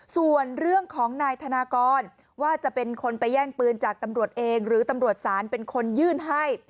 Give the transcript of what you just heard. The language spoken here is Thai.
ส่วนเรื่องของนายธนากรว่าจะเป็นคนไปแย่งปืนจากตำรวจเองหรือตำรวจศาลเป็นคนยื่นให้